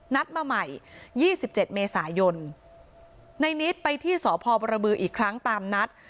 นัดมาใหม่ยี่สิบเจ็ดเมษายนในนิตไปที่สหพบรบืออีกครั้งตามนัด